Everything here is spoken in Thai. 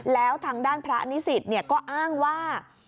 แล้วทางด้านพระนิสิตก็อ้างว่า